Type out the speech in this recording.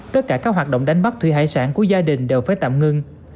tất cả các hoạt động đánh bắt thủy hải sản của gia đình đều phải tạm ngưng